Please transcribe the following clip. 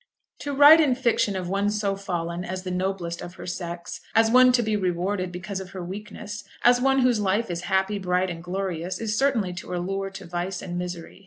To write in fiction of one so fallen as the noblest of her sex, as one to be rewarded because of her weakness, as one whose life is happy, bright, and glorious, is certainly to allure to vice and misery.